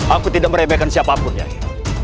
aku tidak meremehkan siapa pun nyai